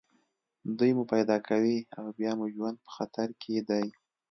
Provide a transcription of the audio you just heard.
دوی مو پیدا کوي او بیا مو ژوند په خطر کې دی